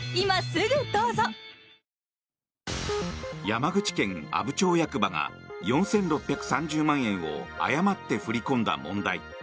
山口県阿武町役場が４６３０万円を誤って振り込んだ問題。